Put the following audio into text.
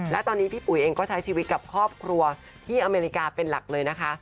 และตอนนี้พี่ปุ๋ยเองก็ใช้ชีวิตกับครอบครัวที่อเมริกาเป็นหลักเลยนะคะ